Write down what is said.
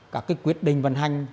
các quyết định vận hành